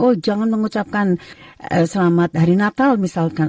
oh jangan mengucapkan selamat hari natal misalkan